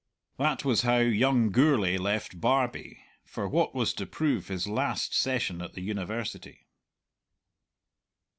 That was how young Gourlay left Barbie for what was to prove his last session at the University.